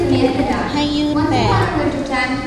ให้ยื่นแบบ